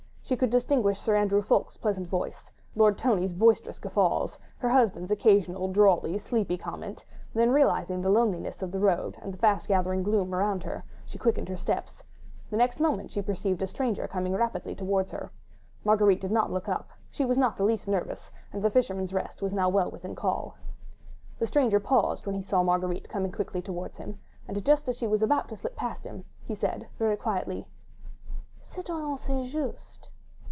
She could distinguish Sir Andrew Ffoulkes' pleasant voice, Lord Tony's boisterous guffaws, her husband's occasional, drawly, sleepy comments; then realising the loneliness of the road and the fast gathering gloom round her, she quickened her steps ... the next moment she perceived a stranger coming rapidly towards her. Marguerite did not look up: she was not the least nervous, and "The Fisherman's Rest" was now well within call. The stranger paused when he saw Marguerite coming quickly towards him, and just as she was about to slip past him, he said very quietly: "Citoyenne St. Just."